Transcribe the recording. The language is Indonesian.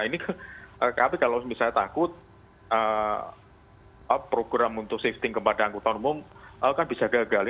ini kalau misalnya takut program untuk safety kepada anggota umum kan bisa gagal